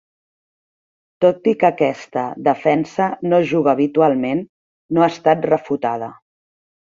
Tot i que aquesta defensa no es juga habitualment, no ha estat refutada.